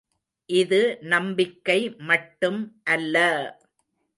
இது நம்பிக்கை மட்டும் அல்ல!